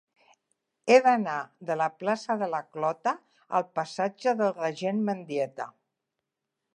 He d'anar de la plaça de la Clota al passatge del Regent Mendieta.